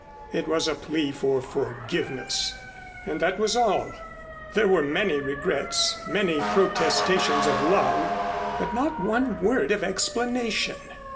It was a plea for forgiveness, and that was all. There were many regrets, many protestations of love, but not one word of explanation!